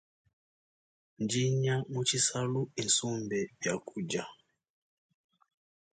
Ndinya mu tshisalu isumbe biakudia.